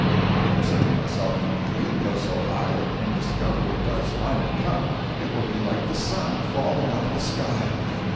I kept saying to myself, he'll get so high that when discovery does finally come it will be like the sun falling out of the sky.